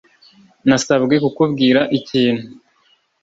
Nasabwe kukubwira ikintu